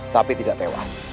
tapi tidak tewas